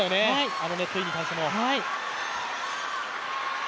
あのネットインの返しも。